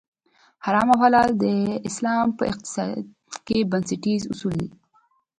حرام او حلال د اسلام په اقتصاد کې بنسټیز اصول دي.